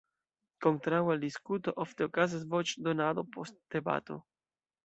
Kontraŭe al diskuto ofte okazas voĉdonado post debato.